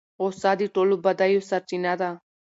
غصه د ټولو بدیو سرچینه ده.